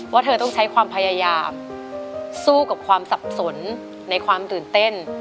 เธอต้องใช้ความพยายามสู้กับความสับสนในความตื่นเต้น